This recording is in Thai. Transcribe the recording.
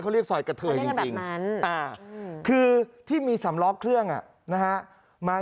เขาเรียกซอยกระเทยจริงคือที่มีสำล้อเครื่องมา